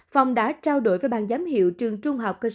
phòng đã trao đổi với ban giám hiệu trường trung học cơ sở mỹ hạnh